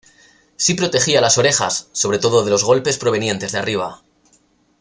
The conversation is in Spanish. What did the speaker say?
Sí protegía las orejas, sobre todo de los golpes provenientes de arriba.